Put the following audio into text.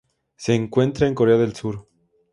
Se encuentra en Corea del Sur